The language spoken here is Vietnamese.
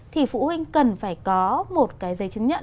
thì phụ huynh cần phải có một cái giấy chứng nhận